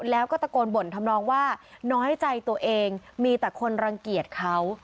แล้วก็ตะโกนบ่นทำนองว่าน้อยใจตัวเองมีแต่คนรังเกียจเขา